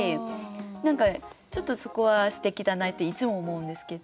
何かちょっとそこはすてきだなっていつも思うんですけど。